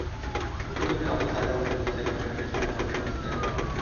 ভুক্তভোগীদের ভাষ্য, সায়েদাবাদ সেতুর কাছে ইসলামী ব্যাংকের সামনের সড়কে গণছিনতাইয়ের ঘটনা ঘটে।